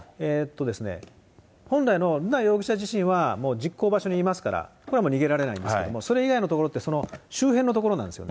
本来の瑠奈容疑者自身は、もう実行場所にいますから、これはもう逃げられないんですけども、それ以外のところって、周辺のところなんですよ。